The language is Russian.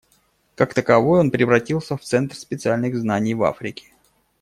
Как таковой, он превратился в центр специальных знаний в Африке.